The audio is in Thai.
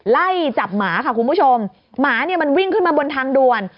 ไล่จับหมาค่ะคุณผู้ชมหมาเนี่ยมันวิ่งขึ้นมาบนทางด่วน